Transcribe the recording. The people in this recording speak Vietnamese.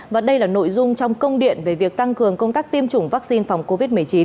và đây là nội dung trong công điện về việc tăng cường công tác tiêm chủng vaccine phòng covid một mươi chín